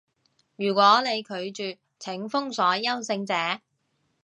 如果你拒絕，請封鎖優勝者